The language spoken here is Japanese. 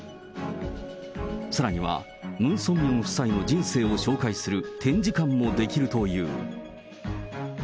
さらには、ムン・ソンミョン夫妻の人生を紹介する展示館もできるという。